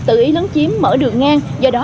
tự ý lấn chiếm mở đường ngang do đó